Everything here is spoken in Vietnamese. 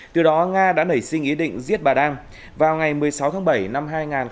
từ đó nga đã nảy sinh ý định giết bà đang vào ngày một mươi sáu tháng bảy năm hai nghìn hai mươi hai